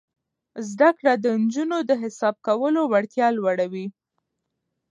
زده کړه د نجونو د حساب کولو وړتیا لوړوي.